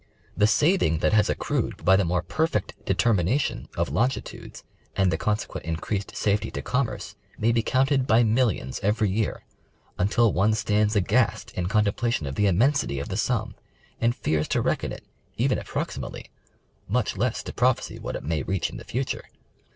The saving that has accrued by the more perfect determination of longitudes and the consequent increased safety to commerce, may be counted by millions every year ; until one stands aghast in contemplation of the immensity of the sum, and fears to reckon it, even approximately, much less to prophecy what it may reach in the future.